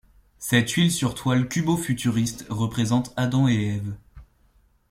Cette huile sur toile cubo-futuriste représente Adam et Ève.